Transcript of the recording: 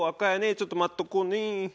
ちょっと待っとこうね。